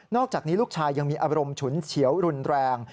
อกจากนี้ลูกชายยังมีอารมณ์ฉุนเฉียวรุนแรง